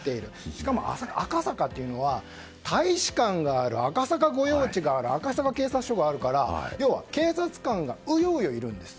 しかも赤坂って大使館がある、赤坂御用地がある赤坂警察署があるから要は警察官がうようよいるんです。